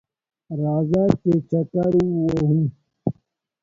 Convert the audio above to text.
راځه ! چې چکر ووهو